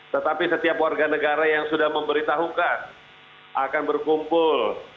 tetapi setiap warga negara yang sudah memberitahukan akan berkumpul